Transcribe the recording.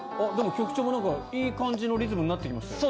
局長も何かいい感じのリズムになって来ましたよ。